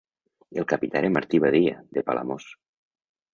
El capità era Martí Badia, de Palamós.